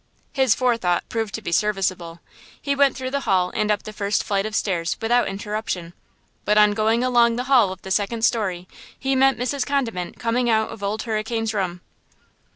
His forethought proved to be serviceable. He went through the hall and up the first flight of stairs without interruption; but on going along the hall of the second story he met Mrs. Condiment coming out of Old Hurricane's room.